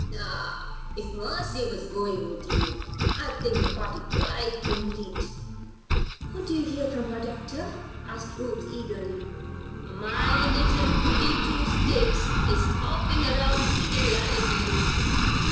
Ah! if Mercy was going with you, I'd think the party quite complete." "What do you hear from her, Doctor?" questioned Ruth, eagerly. "My little Goody Two sticks is hopping around pretty lively.